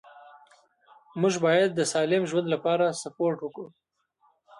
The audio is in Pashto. موږ باید د سالم ژوند لپاره سپورت وکړو